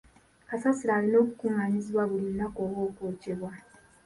Kasasiro alina okukungaanyizibwa buli lunaku oba okwokyebwa.